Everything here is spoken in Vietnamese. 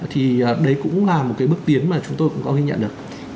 thì đấy cũng là một cái bước tiến mà chúng tôi cũng có ghi nhận được